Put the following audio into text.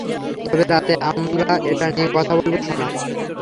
তবে রাতে আমরা এটা নিয়ে কথা বলবো, সোনা।